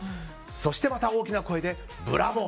そしてまた大きな声でブラボー！